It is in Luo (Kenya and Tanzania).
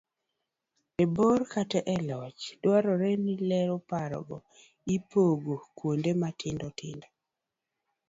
e bor kata olach, dwarore ni lero paro go ipogo kuonde matindo tindo